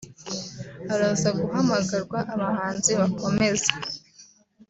Haraza guhamagarwa abahanzi bakomeza